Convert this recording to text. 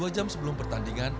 dua jam sebelum pertandingan